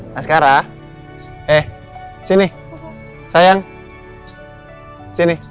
mas kara eh sini sayang sini